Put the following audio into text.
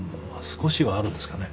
少しはあるんですかね。